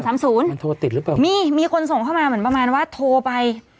มันโทรติดหรือเปล่ามีมีคนส่งเข้ามาเหมือนประมาณว่าโทรไป